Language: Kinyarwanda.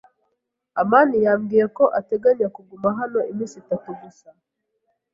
amani yambwiye ko uteganya kuguma hano iminsi itatu gusa.